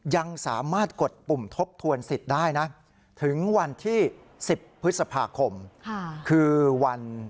ยังสามารถกดปุ่มทบทวนสิทธิ์ได้นะถึงวันที่๑๐พฤษภาคมคือวัน